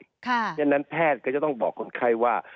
เพราะฉะนั้นแพทย์ก็จะต้องบอกคนไข้ว่า